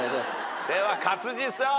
では勝地さん。